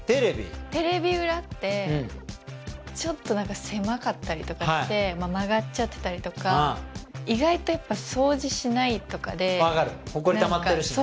テレビ裏ってちょっと何か狭かったりとかして曲がっちゃってたりとか意外とやっぱ掃除しないとかで分かる！